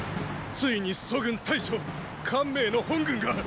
ついに楚軍大将汗明の本軍が。